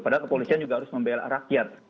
padahal kepolisian juga harus membela rakyat